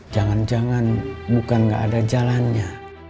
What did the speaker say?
jangan jangan bukan gak ada jalannya